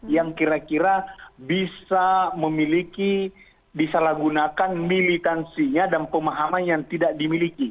yang kira kira bisa memiliki disalahgunakan militansinya dan pemahaman yang tidak dimiliki